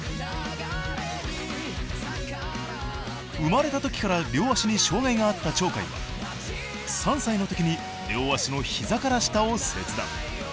生まれたときから両足に障害があった鳥海は３歳のときに両足の膝から下を切断。